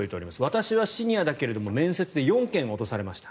私はシニアだけれども面接で４件落とされました。